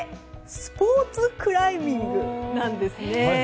スポーツクライミングなんです。